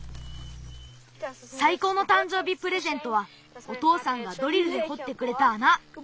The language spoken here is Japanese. さいこうのたんじょうびプレゼントはおとうさんがドリルでほってくれたあな！